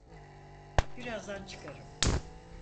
Birazdan çıkarım.